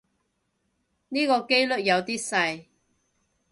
呢個機率有啲細